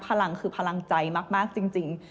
พลังคือพลังใจมากจริง